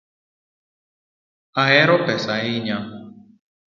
Ahero pesa ahinya